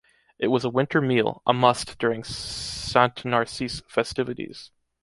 It was a winter meal, a must during Sant Narcís’ festivities.